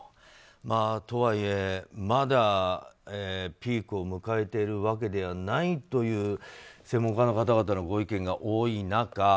とはいえ、まだピークを迎えているわけではないという専門家の方々のご意見が多い中